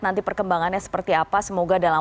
nanti perkembangannya seperti apa semoga dalam